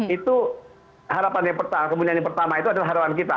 itu harapan yang pertama kemudian yang pertama itu adalah harapan kita